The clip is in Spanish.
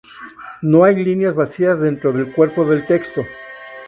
No hay líneas vacías dentro del cuerpo del texto.